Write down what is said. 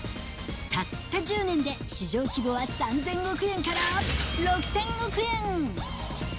たった１０年で、市場規模は３０００億円から６０００億円。